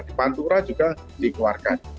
di pantura juga dikeluarkan